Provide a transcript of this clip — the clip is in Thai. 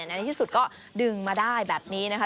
ในที่สุดก็ดึงมาได้แบบนี้นะคะ